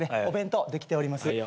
お弁当できております。